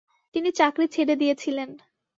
তিনি চাকরি ছেড়ে দিয়েছিলেন।